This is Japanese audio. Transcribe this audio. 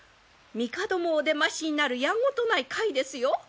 帝もお出ましになるやんごとない会ですよ？